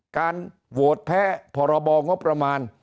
การโหวตแพ้พรบงบประมาณ